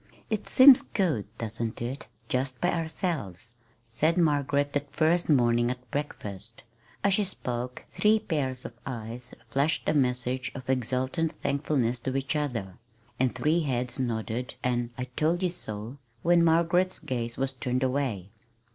"It seems good; doesn't it just by ourselves," said Margaret that first morning at breakfast. As she spoke three pairs of eyes flashed a message of exultant thankfulness to each other, and three heads nodded an "I told you so!" when Margaret's gaze was turned away.